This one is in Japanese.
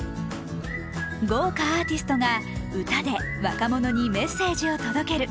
豪華アーティストが歌で若者にメッセージを届ける。